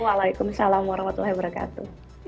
waalaikumsalam warahmatullahi wabarakatuh